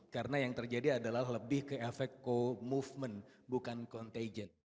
karena yang terjadi adalah lebih ke efek co movement bukan contagion